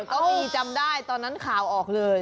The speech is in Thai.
ก็มีจำได้ตอนนั้นข่าวออกเลย